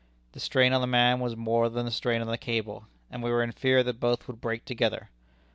The strain on the man was more than the strain on the cable, and we were in fear that both would break together.